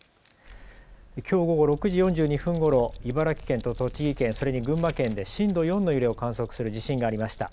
きょう午後６時４２分ごろ茨城県と栃木県、それに群馬県で震度４の揺れを観測する地震がありました。